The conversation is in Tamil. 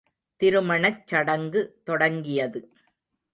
திருமணச் சடங்கு தொடங்கியது.